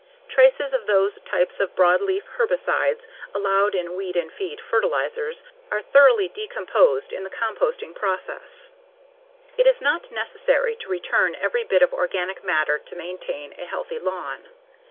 Traces of the those types of broadleaf herbicides allowed in "weed and feed" fertilizers, are thoroughly decomposed in the composting process. It is not necessary to return every bit of organic matter to maintain a healthy lawn.